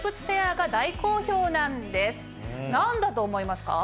何だと思いますか？